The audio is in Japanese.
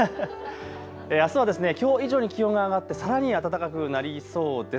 あすはきょう以上に気温が上がってさらに暖かくなりそうです。